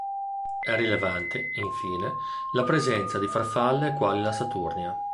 È rilevante, infine, la presenza di farfalle quali la saturnia.